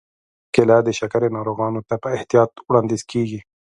کېله د شکرې ناروغانو ته په احتیاط وړاندیز کېږي.